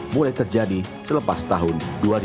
mulai terjadi selepas tahun dua ribu empat